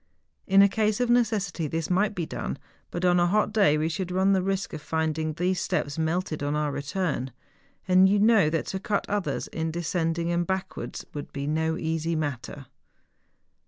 In a case of necessity this might be done; but on a hot day we should run the risk of finding these steps melted on our return. And you know that to cut others in descending and backwards would be no easy matter.